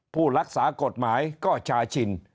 ผู้รักษากฎหมายก็ชาชิน